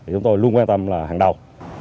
chúng tôi luôn quan tâm là hàng đầu